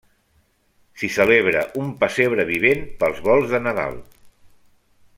S'hi celebra un pessebre vivent pels volts de Nadal.